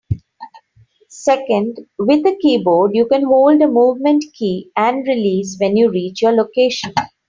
Second, with a keyboard you can hold a movement key and release when you reach your location.